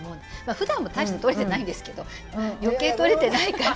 ふだんも大してとれてないですけど余計とれてないから。